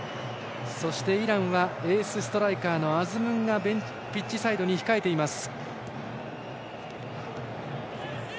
そしてイランはエースストライカーのアズムンがピッチサイドに控えています。